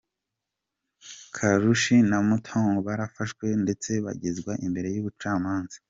Kalushi na Motaung barafashwe ndetse bagezwa imbere y’ubucamanza.